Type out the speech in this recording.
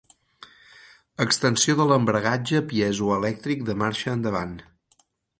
Extensió de l'embragatge piezoelèctric de marxa endavant.